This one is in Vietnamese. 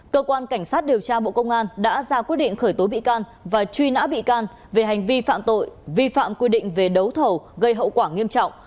cơ quan cảnh sát điều tra bộ công an đã ra quyết định khởi tố bị can và truy nã bị can về hành vi phạm tội vi phạm quy định về đấu thầu gây hậu quả nghiêm trọng